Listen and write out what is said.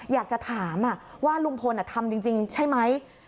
อยากจะถามว่าลุงพลทำจริงใช่ไหม